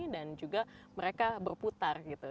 dan juga mereka berputar gitu